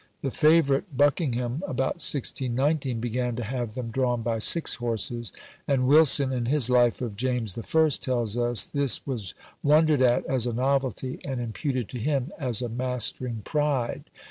The favourite Buckingham, about 1619, began to have them drawn by six horses; and Wilson, in his life of James I., tells us this "was wondered at as a novelty, and imputed to him as a mastering pride."